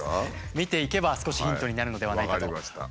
見ていけば少しヒントになるのではないかと思います。